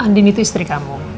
andin itu istri kamu